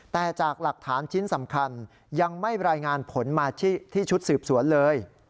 แต่จากหลักฐานชิ้นสำคัญยังไม่รายงานผลมาที่ชุดสืบสวนเลย